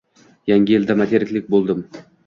Yangi yilda metrika"lik bo‘ldim"